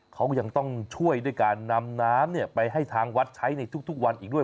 เขายังต้องช่วยด้วยการนำน้ำไปให้ทางวัดใช้ในทุกวันอีกด้วย